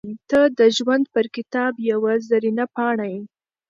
• ته د ژوند پر کتاب یوه زرینه پاڼه یې.